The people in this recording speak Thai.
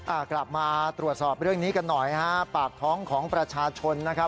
อ่ากลับมาตรวจสอบเรื่องนี้กันหน่อยฮะปากท้องของประชาชนนะครับ